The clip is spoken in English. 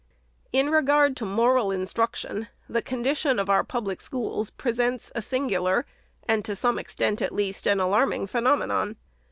In regard to moral instruction, the condition of our public schools presents a singular, and, to some extent at least, an alarming phenomenon.